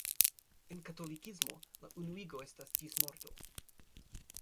En katolikismo, la unuigo estas ĝis morto.